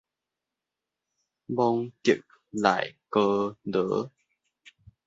蒙特內哥羅